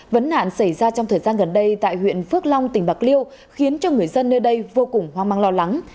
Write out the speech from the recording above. vấn nạn xảy ra trong thời gian gần đây tại huyện phước long tỉnh bạc liêu khiến cho người dân nơi đây vô cùng hoang mang lo lắng